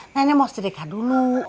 nenek mau sedekah dulu